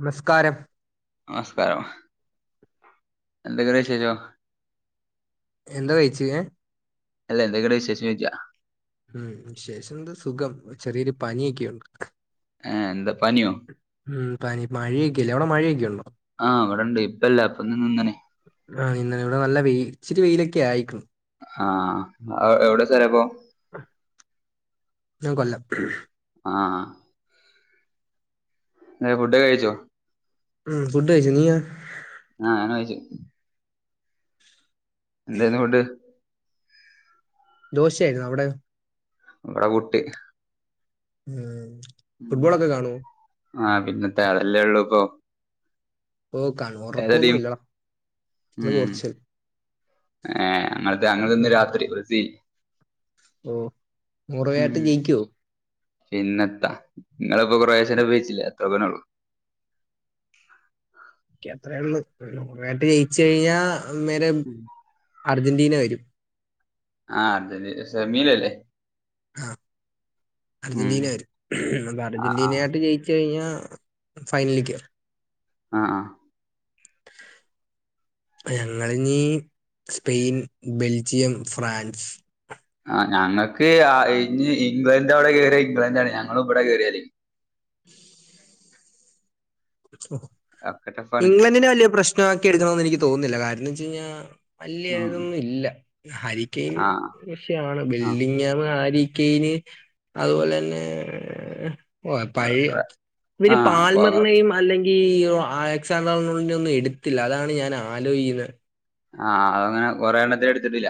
നമസ്കാരം. മസ്കാരം എന്തൊക്ക വിശേഷം? എന്താ കഴിച്ചേ ഹേ? അല്ല എന്തൊക്ക ഉണ്ട് വിശേഷം ചോയ്ക്യാ? ഉം വിശേഷം എന്ത് സുഖം ചെറിയ ഒരു പനി ഒക്കെ ഉണ്ട്. ആ എന്താ പന്യോ? ഉം പനി മഴെ ഒക്കെ അല്ലേ അവിടെ മഴെ ഒക്കെ ഉണ്ടോ? ആഹ് ഇവടണ്ട് ഇപ്പല്ല ഇപ്പന്ന് നിന്ന് ണ്. ആഹ് ഇന്നവട നല്ല വെയിൽ ഇച്ചിരി വെയിലൊക്കെ ആയിക്ക്ണ്. ആഹ് എവിടെ സ്ഥലം അപ്പോ? ഞാം കൊല്ലം. ആഹ് ആ. ഏ ഫുഡൊക്കെ കഴിച്ചോ? ഉം ഫുഡ് കയ്ച്ചു നീയോ? ആഹ് ഞാനും അയ്ച്ച്. എന്തേന്നു ഫുഡ്‌? ദോശേര്ന്നു അവ്ടെ? ഇവടെ പുട്ട്. ഉം. ഉം ഫുട്ബോളൊക്കെ കാണുവോ ആ പിന്നെ എത്താ അതല്ലേ ഒള്ളൂ ഇപ്പോ. ഓ കൺ ഒറക്കൊന്നും ടീം ഇല്ലടാ ഇന്ന് പോർച്ച്ൽ ഏ അങ്ങൾത്തെ അങ്ങൾതെ ഇന്ന് ഉം. രാത്രി ഒര് സീ ഓ മുറുവായിട്ട് ഉം ജയിക്ക്യോ? പിന്നെത്താ നിങ്ങൾപ്പോ കൊറേ ഷെനെ ഉപയോഗിച്ചില്ലേ അത്ര തന്നെ ഒള്ളൂ. ക്കി അത്ര ഒള്ളൂ പെനാൽറ്റി ജയിച്ച കഴിഞ്ഞ നേരെ അർജന്റീന വരും. ആ അർജ സെമീലല്ലേ? ആ ഉം അർജന്റീന വരും അപ്പ ആഹ് അർജന്റീന ആഹ് ആയിട്ട് ജയി ച്ച് കയ്ഞ്ഞാ ഫൈൻലികേറും. ആ ആ. [inaudible] ആ ഞങ്ങള് ഇനി സ്പെയിൻ, ബെൽജിയം, ഫ്രാൻസ്, ആ ഞങ്ങക്ക് ആ ഇഞ്ഞ് ഇംഗ്ലണ്ട് അവ്ടെ കേറ്യാ ഇംഗ്ലണ്ടാണ് ഞങ്ങള് ഇവ്ടെ കേറ്യാല്. [inaudible] ഹോ ഒക്കെ ടഫാണ് ഇംഗ്ലണ്ടിനെ വല്ല്യ പ്രശ്നമാക്കി എട്ക്കണോ എന്ന് എനിക്ക് തോന്നുന്നില്ല കാരണം എന്ന് വെച്ച് കയ്ഞ്ഞാൽ വല്ല്യ ഉം ഇതൊന്നും ഇല്ല ഹരിക്കേം ഉം. ആഹ് വിശയാണ് ആഹ് ബിൽഡിംഗ് [unintelligible] ആരിക്കൈന്, അതുപോലെ അന്നെ ഏ കൊ പഴേ ഇവര് ആഹ് അപ്പൊ അങ്ങനെ പാൽമർറൈമ ങ്കി ഒ അലക്സാണ്ടറി ഒന്നും എട്ത്തില്ല അതാണ് ഞാൻ ആലോയ്ക്ക്യുന്നെ. ആഹ് അത് ഞാ കൊറെ എണ്ണത്തിനെ എട്ത്തിട്ടില്ല.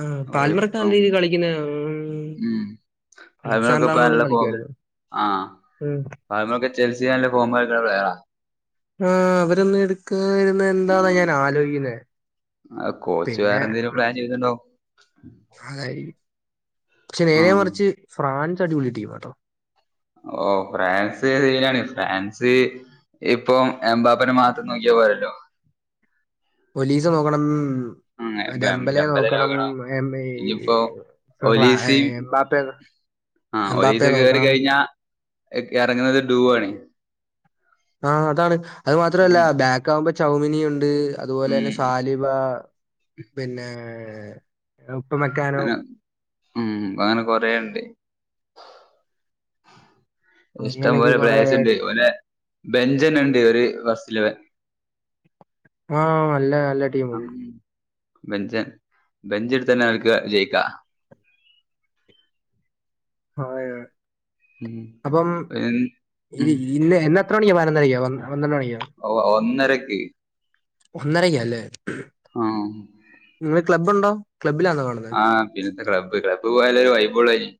ആ പാൽമറക്ക് നല്ല ഓരിപ്പം രീതി കളിക്കിന്ന [unintelligible] ഉം പാൽമറൊക്കെ ഇപ്പ നല്ല ഫോമിൽ കളിക്കുമായിരുന്നു ആ ഉം പാൽമറൊക്കെ ചെൽസിയാന്റെ ഫോം കളിക്കുന്ന പ്ലെയറാ. ആഹ് അവരൊന്ന് എട് ക്കാതിരുന്നെ എന്താന്നാ ഉം ഞാൻ ആലോയ്ക്കുന്നെ അത് കോച്ച് പിന്നെ? വേറെ [inaudible] അതായിരിക്കും പക്ഷെ നേരെ ഉം മറിച്ച് ഫ്രാൻസ് അടിപൊളി ടീമാട്ടോ. ഓ ഫ്രാൻസ് സീനാണ് ഫ്രാൻസ് ഇപ്പം എംമ്പാപ്പന മാത്രം നോക്ക്യാ പോരല്ലോ. ഒലീസ നോക്കണം. ഉം ഡെം ടെമ്പെലെ ഡെമ്പലെ നോക്കണം ഈ ഇനിയിപ്പോ ഒലീസിം എമ്പാപ്പ എമ്പാപ്പയേ നോക്കണം എക് എറങ്ങുന്നത് ഡൂവാണേ ആ അതാണ് അത് ഉം മാത്രല്ല ബാക്ക് ആകുമ്പോ ചൗമിനിയുണ്ട് അതുപോലെ ഉം തന്നെ സാലേം [unintelligible] പിന്നെ ഉപ്പ് മെക്കാൻ അങ്ങനെ ഉം അങ്ങനെ കൊറേണ്ട് ഇഷ്ടം അങ്ങനെയൊക്കെ പോലെ കൊറെ പ്ലെയേഴ്‌സ്ണ്ട് ഓലെ ബെഞ്ചന്നെണ്ട് ഒരു ഫസ്റ്റ് ലവൻ ആ അല്ല നല്ലടി ആം ബെഞ്ചൻ ബെഞ്ച് എടുത്തന്നെ അവര്ക്ക് ജയിക്കാ ആ [unintelligible] ഉം അപ്പം ഉം ഇരി ഉം. ഇരി ഇന്ന് എന്നത്ര മണിക്കാ പയിനൊന്നരക്കൊ പന്ത്രണ്ട് മണിക്കോ ഒ ഒന്നരക്ക് ഒന്നരക്കാലെ ആഹ് ഇന്ന് ക്ലബ്ബുണ്ടോ ക്ലബ്ബിലാന്നോ കാണുന്നത് ആ പിന്നത്തെ ക്ലബ് ക്ലബ് പോയാലെ ഒരു വൈബ് ഒള്ളയ്ന്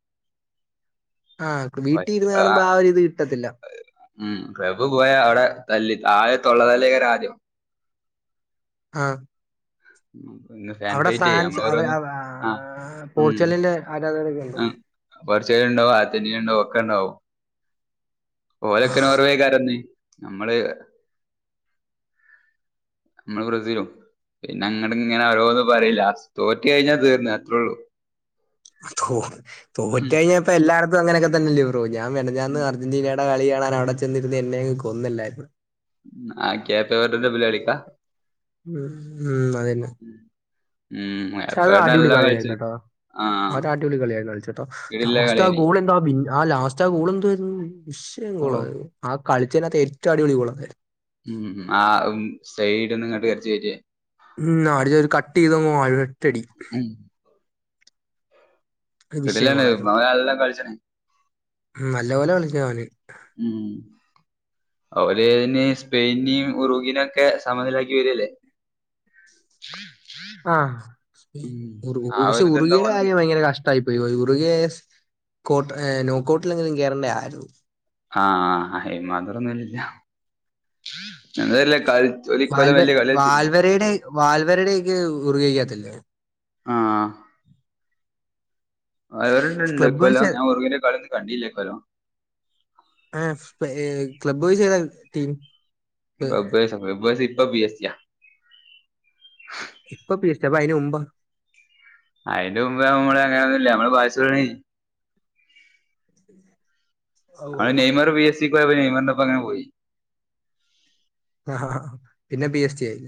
ആ വീട്ടിരുന്ന് കാണുമ്പോ ആഹ് ആ ഒരിത് കിട്ടത്തില്ല ഉം ക്ലബ്‌ പോയ അവിടെ തല്ലി ആ തൊള്ളതല്ലായിക്കാരം ആദ്യം ആഹ് പിന്നെ ഫാൻ അവിടെ ഫൈറ്റ്യ്യ ഫ്രാൻസ് അവ അമ്മളോരോന്ന് അവ ആ ആഹ് ഉം പോർച്ചുഗലിന്റെ ആരാധകരൊക്കെ ഉണ്ടോ? ആ ഫോർച്ചേര്ണ്ടാവും അർജന്റീനണ്ടാവും ഒക്കെണ്ടാവും ഓരൊക്കെ നോർവേക്കാരന്ന് നമ്മള് [inaudible] മ്മള് ബ്രസീലും പിന്നെ അങ്ങട് ഇങ്ങനെ ഓരോന്ന് പറയും ലാസ്റ്റ് തോറ്റ് കഴിഞ്ഞാ തീർന്ന് അത്രൊള്ളൂ തോ തോറ്റ് ഉം. കഴിഞ്ഞാപ്പഎല്ലാട്ത്തും അങ്ങനൊക്കെ തന്നെല്ലേ ബ്രോ ഞാൻ മെനിഞാന്ന് ഉം. അർജന്റീനേടെ കളി കാണാൻ അവിടെ ചെന്നിരുന്ന് എന്നെ അങ്ങ് കൊന്നെല്ലാരും ആ കേപ്പ് വെർട്ടന്റെമ്മല് ളിക്കാ ഉം ഉം ക്ഷെ അത് അടിപൊളി കളിയായിരുന്നുട്ടോ ആ അത് അടിപൊളി കളിയായിരുന്നു കളിച്ചെട്ടോ കിടില്ല ലാസ്റ്റ് ആ കളിയാണ് ഗോളി എന്താ ആ ലാസ്റ്റ് ആ ഗോള് എന്ത്‌വായിരുന്നു വിശയം ഓ ഗോളായിരുന്നു ആ കളിച്ചതിനകത്ത് ഏറ്റോം അടിപൊളി ഗോളായിരുന്നു ഉം ആ സെയ്ഡ്ന്ന് ഇങ്ങട്ട് അടിച്ച് കേറ്റിയെ ഉം അടി ഒരു കട്ട് ചെയ്ത് ഒറ്റടി ഉം അത് വിഷയം കിടിലാണ് ഗോളായിരുന്നു അവൻ നല്ല കളിച്ചാണ് ഉം നല്ല പോലെ കളിച്ചാമതി ഉം അവര് ഇനി സ്പെയിനേം ഉറഗേനൊക്കെ സമനിലാക്കി വരല്ലേ ആ ഉം ഉറു ആ പക്ഷെ ഒരു ഇതുണ്ടാവും ഉറൂഗയുടെ അവർക്ക് കാര്യം ഭയങ്കര കഷ് ട്ടായി പോയി ഉറൂഗേസ്‌ കോട്ട് നോക്കോ ട്ടിലെങ്കിലും കേറേണ്ട ആയിരുന്നു ആ ആയിന് മാത്രൊന്നുല്ല എന്തല്ലേ കൾ വാൽവെ വാൽവരേടെ വാൽവരേടെ ഉറൂഗക്കകത്തില്ലേ ആഹ് ക്ലബ് വൈസ് അവരുണ്ട്ണ്ട്ക്കൊല്ലം ഞാൻ ഉറുഗ് ന്റെ കളിന്നും കണ്ടില്ലക്കൊല്ലം ആ ക്ലബ് വൈസ് താ team club wise club wise ഇപ്പ പി എസ് ടി യാ ഇപ്പൊ ബി എസ് സി പ്പഅയ്ന് മുമ്പോ അയ്ന്റെ മുമ്പ് അമ്മള് അങ്ങനൊന്നില്ല അമ്മള് ബൈ സോണി നമ്മള് ഓഹ് നെയ്മർ ബി എസ് സി ക്ക് പോയപ്പൊ നെയ്മറിന്റൊപ്പ അങ്ങനെ പോയി ആ ഹാ ഹാ പിന്നെ ബി എസ് റ്റി ആയി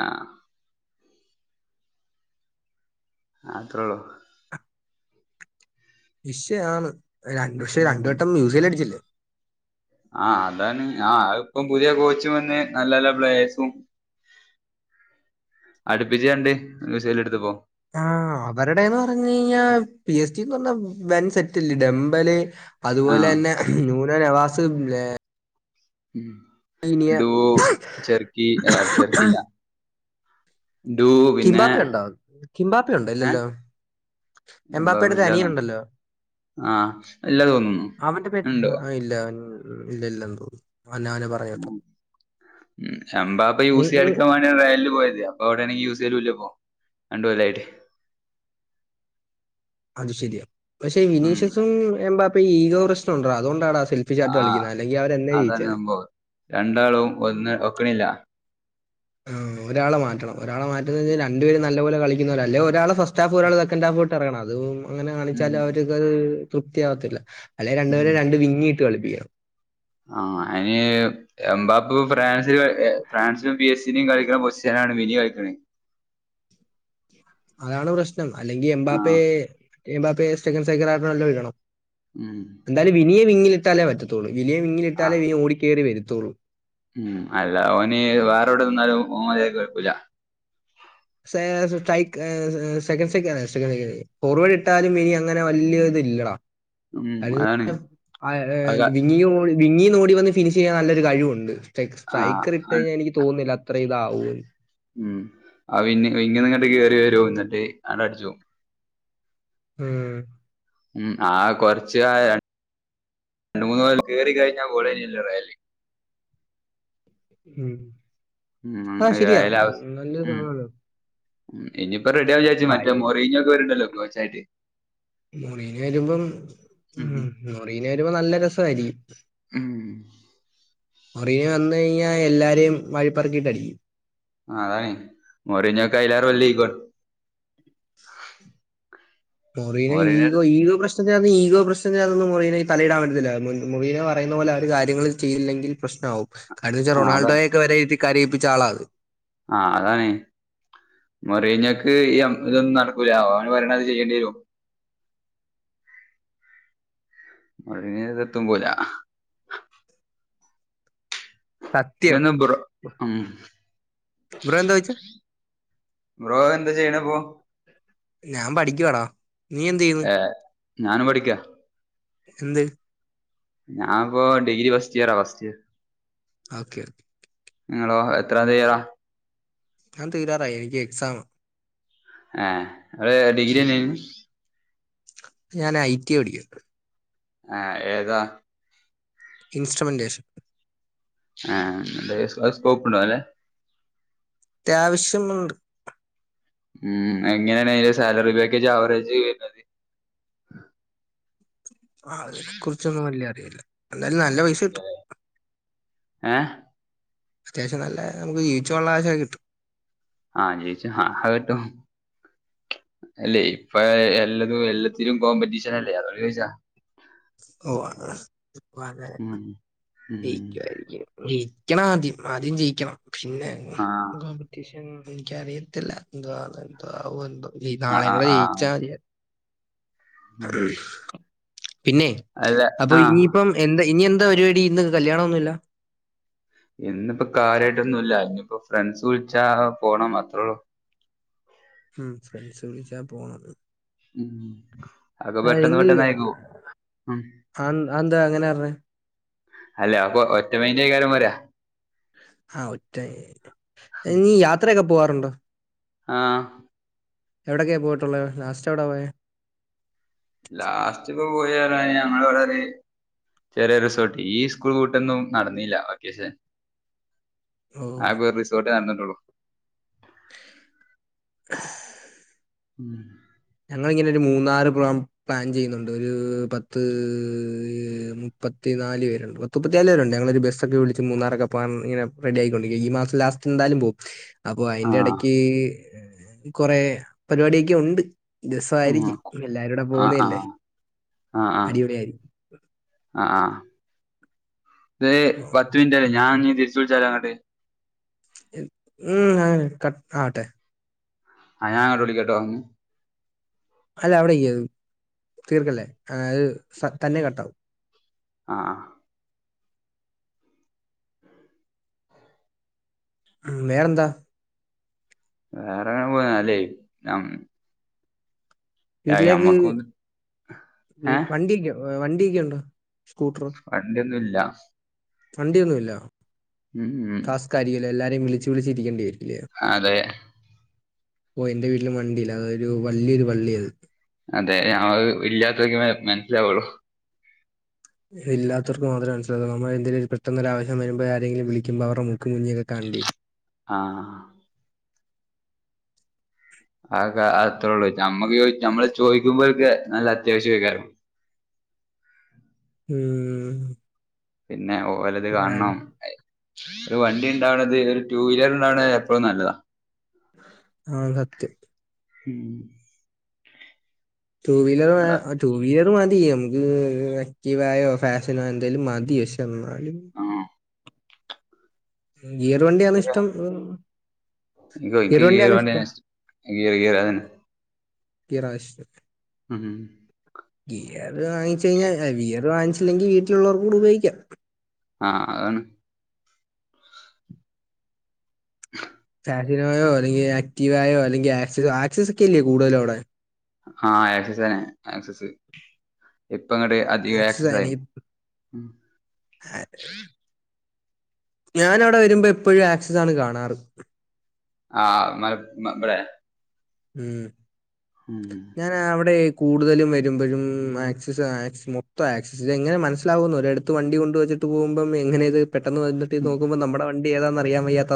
ആഹ് അത്രൊള്ളൂ വിഷയം ആണ് രണ്ടു പക്ഷേ രണ്ടു ഉം വട്ടം മ്യൂസിയ അടിച്ചില്ലേ ആഹ് അതാണ് ആഹ് ഇപ്പം പുതിയ കോച്ചും വന്ന് നല്ല നല്ല പ്ലേയേഴ്സും അടുപ്പിച്ച് രണ്ട് [unintelligible] എടുത്ത് പോ ആഹ് അവരുടെന്ന് പറഞ്ഞ് കഴിഞ്ഞാ പി എസ് ഡിന്ന് പറഞ്ഞ വൻ സെറ്റല്ലെ ഡംമ്പല് അതുപോലെ ആഹ് തന്നെ [unintelligible] നവാസ് ഉം ലാമിനിയ ഡു ചെറുക്കി ചെറുക്കിയില്ല കിംമ്പാപ്പ ഉണ്ടോ കിമ്പാപ്പുണ്ടോ ഏഹ് ഇല്ലല്ലോ എമ്പാപ്പേയുടെ എംബാപെല്ല അനിയൻ ഉണ്ടല്ലോ ആഹ് ഇല്ല തോന്നുന്നു അവന്റെ പേര് ഉണ്ടോ ആ ഇല്ല അവൻ [unintelligible] [unintelligible] നീ നീ ഓട്ട എനിക്ക് യൂസ് ചെയ്ലൂല്ലപ്പോ രണ്ടപലായിട്ട് അത് ശരിയാ പക്ഷെ ഉം വിനീഷ്യസും എൻബാപ്പക്കും ഈഗോ പ്രശ്നം ഉണ്ടോ അതൊണ്ടാണ് ആ സെ ഫിഷട്ട് ആഹ് കളിക്ക അല്ലെങ്കിൽ അവര് എന്നെ അതാണ് ജയിചേനെ സംഭവം രണ്ടാളും ഒന്ന് ഒക്കണില്ല ആഹ് ഒരാളെ മാറ്റണം ഒരാളെ മാറ്റുന്നത് വച്ചാൽ രണ്ടു പേരും നല്ല പോലെ കളിക്കുന്നവര ഒരാള ഒറ്റാ പോരാൾ [unintelligible] ഇറങ്ങണം അത് അങ്ങനെ ഉം കാണിച്ചാൽ അവർക്ക്ത് തൃപ്തിയാവത്തില്ല അല്ലെ ഉം രണ്ടുപേരെ രണ്ട് വിങ്ങിട്ട് കളിപ്പിക്കണം ആഹ് അയിന് എനമ്പപ്പ ഫ്രാൻസി ഫ്രാൻസ പി എസ് സ ഇനി കളിക്കണ [unintelligible] മിനി കളിക്കണേ അതാണ് പ്രശ്നം അല്ലെങ്കി എബാപ്പ ആഹ് എനമ്പപ്പെ സെക്കന്റ [unintelligible] ഒഴിക്കണോ ഉം എന്താലും വിനിയെവിങ്ങിലിട്ടാലേ പറ്റത്തുള്ളൂ വിനിയെ ആഹ് വിങ്ങിലിട്ടാലേ വിനി ഓടിക്കയറി വരുത്തുള്ളൂ ഉം അല്ല അവന് വേറെോവിടെ നിന്നാലും [unintelligible] സ സ്രൈ സെക്കൻ സൈക്ക സെക്ക സൈ ഫോർവേഡ് ഇട്ടാലും ഇനി അങ്ങനെ വലിയ ഇത് ഇല്ലടാ ഉം അതാണ് [unintelligible] അത് വിങ്ങി നോടി വന്ന് ഫിനിഷ് ചെയ്യാൻ നല്ലൊരു കഴിവുണ്ട് സ്ട്ര സ്ട്രൈക്കർ ഇട്ട് ആഹ് കഴിഞ്ഞാ എനിക്ക് തോന്നുന്നില്ല അത്ര ഇതാവുമന്ന് ഉം ആഹ് പിന്നെ ഇങ്ങനങ്ങട്ട് കയറി വരു എന്നിട്ട് അത് അടിച്ചു പോകും ഉം ഉം ആഹ് കൊറച്ച [unintelligible] മൂന്ന് മുതൽ കറി കഴിഞ്ഞാ പോളല്ലറല്ലേ ഉം ഉം ആഹ്‌ ശരിയാ റയല് അവ നല്ല ഉം [unintelligible] ഉം ഇനിയിപ്പ റെഡിയ ആ വിചാരിച്ച് മറ്റ പഴയ [unintelligible] വരണ്ടല്ലോ കോച്ചായിട്ട് മുറിന് വരുമ്പം ഉം മുറിന് വരുമ്പോ നല്ല രസമായിരിക്കും ഉം മുറിന വന്ന് കഴിഞ്ഞാ എല്ലാരെയും വാഴിപ്പറക്കിയിട്ട് അടിക്കും ആഹ് അതാണ് മൊറിനോ [unintelligible] മോറിന ഈഗോ ഈഗോ പ്രശ്ന ഈഗോ പ്രശ്ന അതന്ന മുറീന തലയിടാവ മുറന പറുന്ന പോലെ അവ കാര്യങ്ങളൾ ചെയ്തില്ലെങ്കിൽ പ്രശ്നമാവും എന്ന് വച്ചാ ആ അതാ റൊണാൾഡോ ഒക്കെ [unintelligible] കരയിപ്പിച്ച ആള അത് ആഹ് അതാണ് മോറിനക്ക് ഈ ഇതൊന്നും നടക്കൂല ഓന് പറയണത് ചെയ്യേണ്ടി വരും [inaudible] മോറിന എത്തും പോല സത്യം എന്നാബ്രോ ബ്രോ എന്താ ചോദിച്ചേ ബ്രോ എന്താ ചെയ്യണപ്പോ ഞാൻ പഠിക്കുവാടാ നീ എന്ത് ചെയ്യുന്നു ഏഹ് ഞാൻ പഠിക്ക എന്തിന് ഞാാനിപ്പോ ഡിഗ്രി ഫസ്റ്റ് ഇയറാ ഫസ്റ്റ്യർ ഓക്കെ നിങ്ങളോ എത്ര തരാ ഞാൻ തീരാറായി എനിക്ക് എക്സാം ഏഹ് ങ്ങള് ഡിഗ്രിയെന്നായിരുനി ഞൻ ഐ ടി പഠിക്ക ആഹ് ഏതാ ഇൻസ്ട്രുമെന്റ്റേഷൻ ആഹ് അഹ് സ്കോപ്പ് ഉണ്ടോ നല്ലേ അത്യാവശ്യം ഉം എങ്ങനെയാണ് അതിന്റെ സാലറി പാക്കേജ് അവവറേജ് വരുന്നത് ആഹ് അതിനെ കുുറിച്ചൊന്നും വലിയ അറിയില്ല എന്നാലും നല്ല പൈസ കിട്ടും ആഹ് ഏ അത്യാവശം നല്ലനമുക്ക് ജീവിച്ചു പോവാൻള്ള കാശൊക്കെകിട്ടും ആഹ് ജീവിച്ചു ആ അ ഏറ്റവും അല്ലേ ഇപ്പൊ എല്ലാതും എല്ലാത്തിലും കോമ്പറ്റീഷൻ അല്ലേ അതോ ചോദിച്ചാ ഓ അത അതെ ഉം ഉം ജയ്ക്കുവായിരിക്കും ജയിക്കണം ആദ്യം ആദ്യം ജയിക്കണം പിന്നെ ആഹ് എനിക്കറിയത്തില്ല എന്തവാ എന്തോ എോ നാളെ ആഹ് ആഹ് കൂടെ ജയിച്ചാ ആഹ് പിന്നെ അല്ല അപ്പൊ ആഹ് ഇനിയിപ്പം എന്താ ഇനി എന്താ പരിപാടി ഇന്ന് കല്യാണമൊന്നുല്ല എന്നിപ്പോ കാര്യമായിട്ടൊന്നുംല്ല ഇനിയിപ്പോൊ ഫ്രണ്ട്സ് വിളിച്ചാ പോണം അത്രേള്ളൂ ഉം ഫ്രണ്ട്സ് വിളിച്ചാ പോണ ഉ അക്കെ പെട്ടെന്ന് നിങ്ങള് പെട്ടെന്നായിക്കു ഉ ആ അതെന്താ അങ്ങനെ പറഞ്ഞേ അല്ല അപ്പൊ ഒറ്റമൈന്റെ കാര്യം വരാ ആഹ് ഒറ്റ നീ യാത്രയൊക്കെ പോവാറുണ്ടോ ആഹ് എവിടൊക്കെയാണ് പോയിട്ടുള്ളത് ലാസ്റ്റ് എവിടെ പോയെ? ലാസ്റ്റ് ഇപ്പോ പോയി ഞങ്ങള് വടൊരു ചെറിയ റിസോർട്ട് ഈ സ്കൂൾ കൂട്ടൊന്നും നടന്നല്ല ഓക്കേഷെ ഓ ആകെ ഒരു റിസോർട്ടേ നടന്നിട്ടുള്ളൂ [unintelligible] ഉം ഞങ്ങളിങ്ങനെ ഒരു മൂന്നാറ് പ്ര പ്ലാൻ ചെയ്യുന്നുണ്ട് ഒരു പത്ത് മുപ്പത്തി നാല് പരുണ്ട് പത്തുപ്പത്തിാല് പേരുണ്ട് ഞൊ ബസ് ഒക്കെ വിളി മൂന്നാൊക്കൊ പോകാൻഇങ്ങെ റെഡിയായിക്കൊണ്ടിരിക്ക ഈ മാസം ലാസ്റ്റ് ന്താലും പോവും അപ്പൊ ആ അതിന്റെ ഇടക്ക് കൊറെ പരിപാടൊക്കെ ഉണ്ട് ഉം രസയിരിക്കും എല്ലാരുടെ ആ ആ പോുന്നല്ലേ അടിപൊളിയായിരിക്കും ആഹ് അഹ് ഓ. ത്തിൻറ്റായി ഞാ ഇനി തിരി ച്ച്വിളിച്ചാല അങ്ങട്ടെ ഉം അ ക ആവട്ടെ ആഹ് ഞാ അങ്ങട് വിളിക്കട്ടോ അല്ല അവിടെ ഇക്ക്ത് തീർക്കല്ലേ അത് തന്നെ കട്ടാവും ആഹ് വേറെന്താ വേറേ [unintelligible] ഞം ഏയ് വീട്ടിലേക്ക് ഞമ്മക്കൊന്ന് വീ ഏ വണ്ടില്ല്യ വണ്ടിയൊക്കൊണ്ടാ സ്കൂട്ട്റോ വണ്ടിയൊന്നും ഇല്ല വണ്ടിയൊന്നുവില്ലാ ഉം ഉം കലിയല്ലേ എല്ലാരേം വിളിച്ച് വിളിച്ചിരിക്കേണ്ടി വരത്തില്ലിയോ അതെ ഓ എന്റെ വീട്ട്ലും വണ്ടിയില്ല അതൊരു വല്യൊരു വള്ളിയാത് അതെ അത് ഇല്ലാത്തോര്ക്കെ മൻസ്സ്ലാവൊള്ളു ഇല്ലാത്തവർക്ക് മാത്രേ മനസിലാവൂ നമ്മളെന്ത്രേലും പെട്ടെന്നൊരാവശ്യം വരുമ്പോയാരേലും വിളിക്കുമ്പോ അവർറെ മുക്ക കുഞ്ഞിയൊക്കെക്കാണണ്ട്യേരും ആഹ് അതൊക്കെ അതത്രൊള്ളു നമ്മക്ക് ചോയ് നമ്മള് ചോയ്ക്കുമ്പോൽക്ക് നല്ലത്യാവശ്വൈയ്ക്കാരം ഉം പിന്നെ ഓലത് അല്ല. കാണണം ഐ ഒര് വണ്ടിണ്ടാവ്ണത് ഒരു ടൂ വീലറ്ണ്ടാവ്ണത് എപ്പളും നല്ലതാ ആഹ് സത്യം ഉം ടൂ വീലർ വേ ടൂ വീലർ മതിയമുക്ക് ആക്റ്റീവായോ ഫാഷനോ എന്തേലും മതി പക്ഷേന്നാലും ആഹ് ഗീർവണ്ടിയാന്നിഷ്ടം [unintelligible] ഇൻകോ ഇൻക്ക് ഗീറ് വണ്ട്യെന്നിഷ്ടം ഗീറ് ഗീറ് അതെന്നെ ഗീറായിഷ്ടം ഉം ഗിയർ വാങ്ങിച്ചയ്ഞ്ഞാ ഗിയർ വാങ്ങിച്ച്ല്ലെങ്കി വീട്ടിലുള്ളോർക്കൂടുപയോഗിക്കാം ആഹ് അതാണ് ഫാഷിനോയോ അല്ലെങ്കി ആക്റ്റീവായോ അല്ലെങ്കിൽ ആക്സസ് ആക്സസോക്കല്ലിയോ കൂട്തലവടെ ആഹ് ആക്സസേനെ ആക്സസ് ഇപ്പങ്ങട്ട് ആക്സസ് അധികാക്സസായ്ന് എനിക്ക് ഞാനവ്ടെ വരുമ്പൊ എപ്പഴും ആക്സസാണ് കാണാറ് ആഹ് മലപ് ബടേ? ഉം ഉം ഞാനവ്ടെ കൂടുതലും വരുമ്പെഴും ആക്സസ് ആക്സ് മൊത്തൊവാക്സസ് ഇതെങ്ങനെ മനസ്സ്ലാവുന്നൊരെട് ത്ത് വണ്ടി കൊണ്ടു വെച്ചിട്ട് പോകുമ്പം എങ്ങനെയിത് പെട്ടെന്ന് വന്നിട്ട് ഉം നോക്കുമ്പം നമ്മടെ വണ്ടിയേതാന്നറിയാൻവയ്യാത്തവ